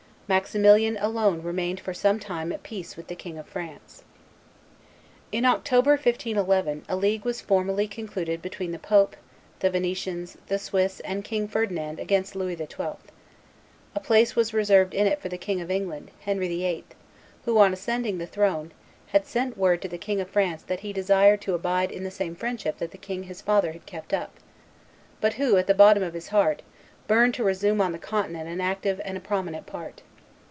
Maximilian alone remained for some time at peace with the King of France. In October, 1511, a league was formally concluded between the pope, the Venetians, the Swiss, and King Ferdinand against Louis XII. A place was reserved in it for the King of England, Henry VIII., who, on ascending the throne, had sent word to the King of France that "he desired to abide in the same friendship that the king his father had kept up," but who, at the bottom of his heart, burned to resume on the Continent an active and a prominent part.